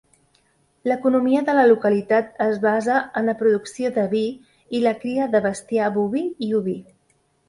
L'economia de la localitat es basa en la producció de vi i la cria de bestiar boví i oví.